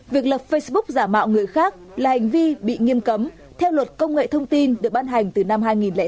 việc lập facebook giả mạo người khác là hành vi bị nghiêm cấm theo luật công nghệ thông tin được ban hành từ năm hai nghìn chín